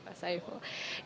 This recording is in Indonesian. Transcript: terima kasih pak saiful